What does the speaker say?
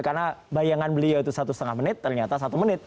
karena bayangan beliau itu satu setengah menit ternyata satu menit